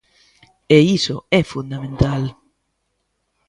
E iso é fundamental.